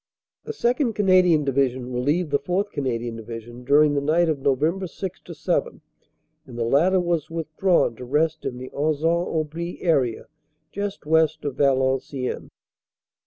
;( The 2nd. Canadian Division relieved the 4th. Canadian Division during the night of Nov. 6 7, and the latter was withdrawn to rest in the Anzin Aubry area, just west of Valenciennes.